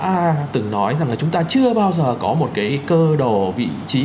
đã từng nói rằng là chúng ta chưa bao giờ có một cái cơ đồ vị trí